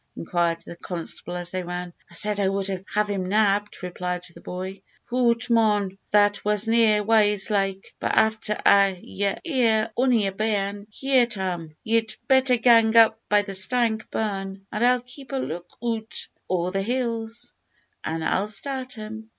inquired the constable, as they ran. "I said I would have him nabbed," replied the boy. "Hoot! mon; that was na wise like. But after a' ye're ony a bairn. Here, Tam, ye'd better gang up by the Stank burn an' keep a look oot ower the hills, an' I'll start him."